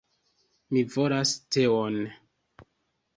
Mi volas teon!